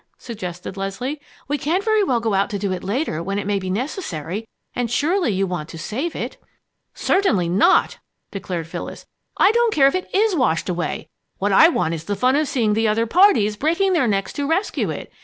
suggested Leslie. "We can't very well go out to do it later when it may be necessary, and surely you want to save it." "Certainly not!" declared Phyllis. "I don't care if it is washed away. What I want is the fun of seeing the other parties breaking their necks to rescue it.